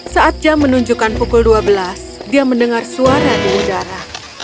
saat jam menunjukkan pukul dua belas dia mendengar suara di udara